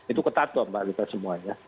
itu ketat dong mbak kita semuanya